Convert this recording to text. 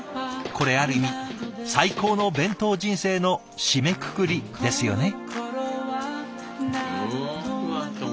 これある意味最高の弁当人生の締めくくりですよね。